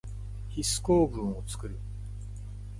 ヒス構文をつくる。